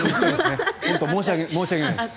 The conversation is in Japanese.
本当に申し訳ないです。